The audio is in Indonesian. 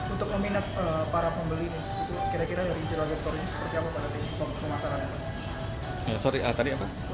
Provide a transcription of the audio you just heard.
untuk meminat para pembeli ini kira kira dari cerita cerita ini seperti apa pada pemasaran